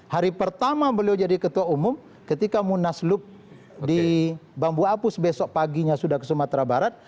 hari pertama beliau jadi ketua umum ketika munaslup di bambu apus besok paginya sudah ke sumatera barat